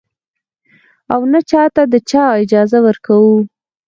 او نـه چـاتـه د دې اجـازه ورکـو.